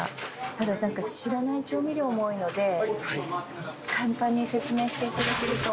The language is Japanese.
ただなんか知らない調味料も多いので簡単に説明して頂けると。